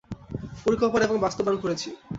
পরিকল্পনা এবং বাস্তবায়ন করেছি।